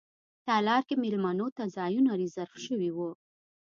تالار کې میلمنو ته ځایونه ریزرف شوي وو.